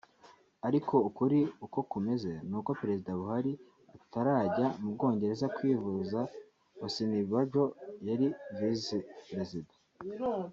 Ariko ukuri uko kumeze n’uko Perezida Buhari atarajya mu Bwongereza kwivuza Osinibajo yari Visi Perezida